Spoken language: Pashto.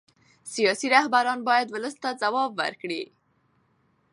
سیاسي رهبران باید ولس ته ځواب ورکړي